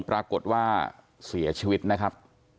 ปรากฏว่าเสียชีวิตนะครับ